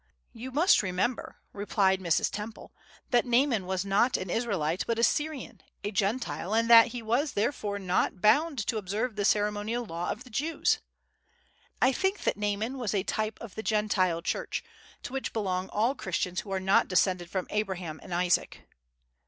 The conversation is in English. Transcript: "You must remember," replied Mrs. Temple, "that Naaman was not an Israelite but a Syrian, a Gentile, and that he was therefore not bound to observe the ceremonial law of the Jews. I think that Naaman was a type of the Gentile church, to which belong all Christians who are not descended from Abraham and Isaac."